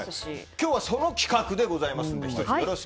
今日はその企画でございます。